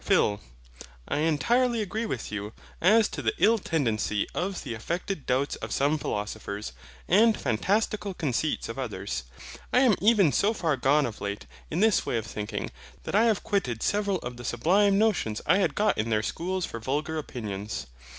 PHIL. I entirely agree with you, as to the ill tendency of the affected doubts of some philosophers, and fantastical conceits of others. I am even so far gone of late in this way of thinking, that I have quitted several of the sublime notions I had got in their schools for vulgar opinions.